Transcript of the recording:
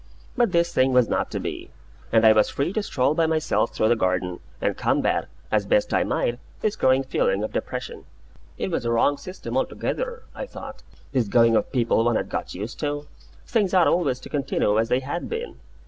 But this thing was not to be; and I was free to stroll by myself through the garden, and combat, as best I might, this growing feeling of depression. It was a wrong system altogether, I thought, this going of people one had got used to. Things ought always to continue as they had been.